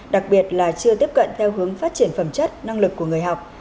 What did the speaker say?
đặc biệt là chưa tiếp cận theo hướng phát triển phẩm chất năng lực của người học